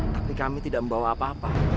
tapi kami tidak membawa apa apa